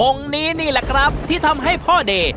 องค์นี้นี่ล่ะครับที่ทำให้พ่อห์เด่